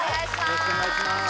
よろしくお願いします。